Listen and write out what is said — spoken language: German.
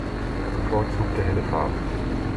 Er bevorzugte helle Farben.